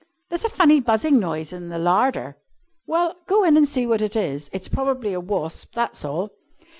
"There's a funny buzzing noise in the larder." "Well, go in and see what it is. It's probably a wasp, that's all."